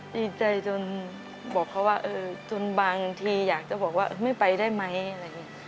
ดีใจจนบอกเขาว่าจนบางทีอยากจะบอกว่าไม่ไปได้ไหมอะไรอย่างนี้